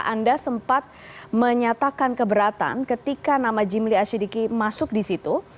anda sempat menyatakan keberatan ketika nama jimli asyidiki masuk di situ